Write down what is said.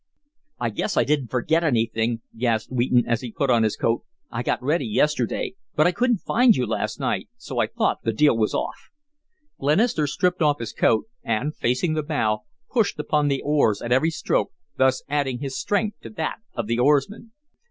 "I guess I didn't forget anything," gasped Wheaton as he put on his coat. "I got ready yesterday, but I couldn't find you last night, so I thought the deal was off." Glenister stripped off his coat and, facing the bow, pushed upon the oars at every stroke, thus adding his strength to that of the oarsmen.